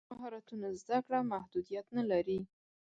د مهارتونو زده کړه محدودیت نه لري.